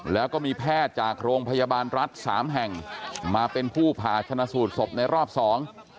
แล้วก็มีแพทย์จากโรงพยาบาลรัฐสามแห่งมาเป็นผู้ผ่าชนะสูตรศพในรอบสอง